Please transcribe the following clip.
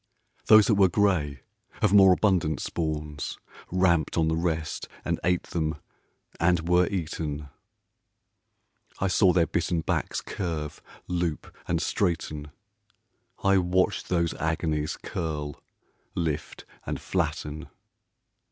Those that were gray, of more abundant spawns, Ramped on the rest and ate them and were eaten. I saw their bitten backs curve, loop, and straighten, I watched those agonies curl, lift, and flatten.